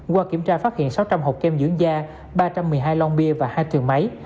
qua kiểm tra phát hiện sáu trăm linh hộp kem dưỡng da ba trăm một mươi hai long bia và hai trường máy